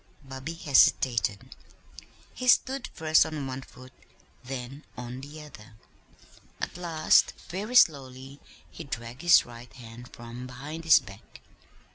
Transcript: Bobby hesitated. He stood first on one foot, then on the other. At last, very slowly he dragged his right hand from behind his back.